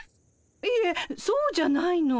いえそうじゃないの。